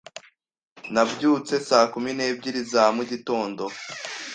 Nabyutse saa kumi n'ebyiri za mugitondo.